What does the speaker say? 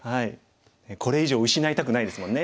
これ以上失いたくないですもんね。